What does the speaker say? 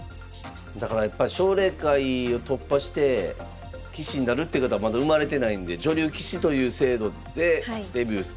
だからやっぱ奨励会を突破して棋士になるっていう方まだ生まれてないんで女流棋士という制度でデビューできるっていうのはすばらしいですね。